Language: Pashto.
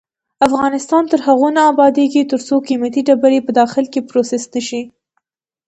افغانستان تر هغو نه ابادیږي، ترڅو قیمتي ډبرې په داخل کې پروسس نشي.